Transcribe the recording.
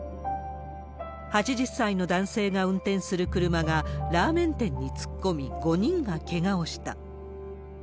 ８０歳の男性が運転する車がラーメン店に突っ込み、５人がけがをした。